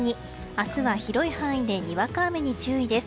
明日は広い範囲でにわか雨に注意です。